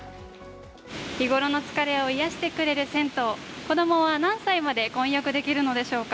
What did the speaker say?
日頃の疲れを癒やしてくれる銭湯子供は何歳まで混浴できるのでしょうか。